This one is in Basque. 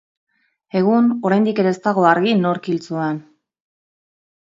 Egun, oraindik ere ez dago argi nork hil zuen.